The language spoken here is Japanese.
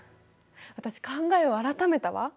私考えを改めたわ。